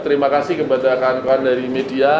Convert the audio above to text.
terima kasih kepada kawan kawan dari media